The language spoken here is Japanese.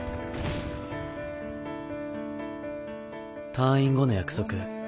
退院後の約束